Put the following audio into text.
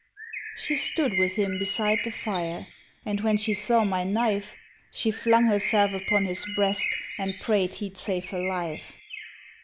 She stood with him beside the fire, And when she saw my knife, She flung herself upon his breast And prayed he 'd save her life.